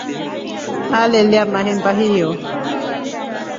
Aleyaa mahemba hiyo.